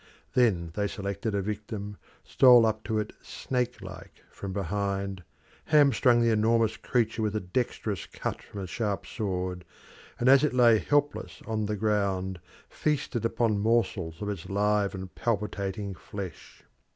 Then they selected a victim, stole up to it snake like from behind, hamstrung the enormous creature with a dexterous cut from a sharp sword, and as it lay helpless on the ground feasted upon morsels of its live and palpitating flesh.